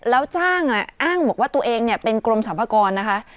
แล้วจ้างอ้างบอกว่าตัวเองเนี่ยเป็นกรมสรรพากรนะคะ